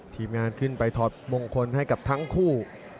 ทีมงานขึ้นไปถอดมงคลให้กับทั้งคู่